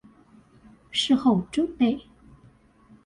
事後準備